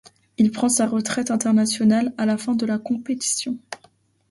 Il prend sa retraite internationale à la fin de la compétition.